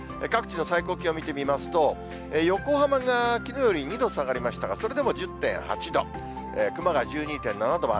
各地の最高気温見てみますと、横浜がきのうより２度下がりましたが、それでも１０．８度。